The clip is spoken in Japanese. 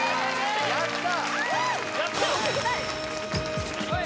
やった！